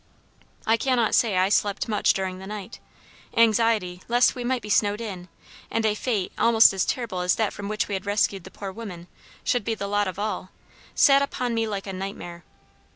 I cannot say I slept much during the night. Anxiety lest we might be snowed in, and a fate almost as terrible as that from which we had rescued the poor women, should be the lot of all, sat upon me like a nightmare.